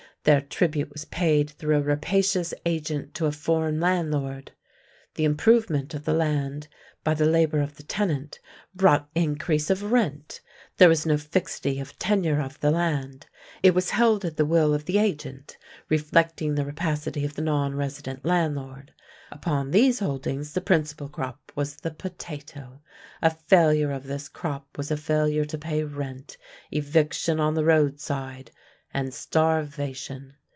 Their tribute was paid through a rapacious agent to a foreign landlord. The improvement of the land by the labor of the tenant brought increase of rent. There was no fixity of tenure of the land. It was held at the will of the agent, reflecting the rapacity of the non resident landlord. Upon these holdings the principal crop was the potato. A failure of this crop was a failure to pay rent, eviction on the roadside, and starvation.